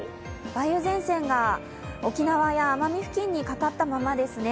梅雨前線が沖縄や奄美付近にかかったままですね。